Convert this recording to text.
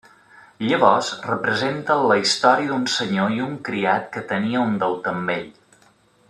Llavors, representen la història d'un senyor i un criat que tenia un deute amb ell.